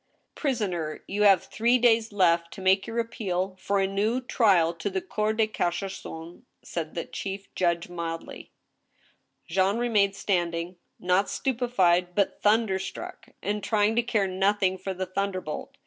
"Prisoner, you have three days left to make your appeal for a new trial to the cour de cassation^* said the chief judge, mildly. Jean remained standing, not stupefied, but thunderstruck, and trying to care nothing for the thunderbolt.